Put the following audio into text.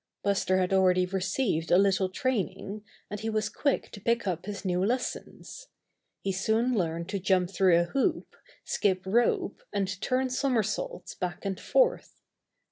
Buster had already received a little training, and he was quick to pick up his new lessons. He soon learned to jump through a hoop, skip rope, and turn somersaults back and forth.